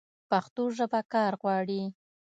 پښتو ژبه کار غواړي.